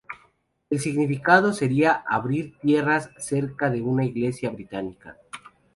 El significado sería 'abrir tierras cerca de una iglesia británica'.